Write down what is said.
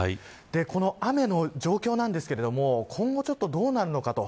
この雨の状況ですが今後どうなるのかと。